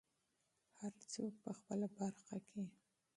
هر څوک په خپله برخه کې.